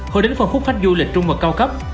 hồi đến phần khúc khách du lịch trung và cao cấp